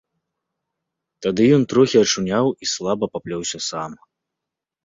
Тады ён трохі ачуняў і слаба паплёўся сам.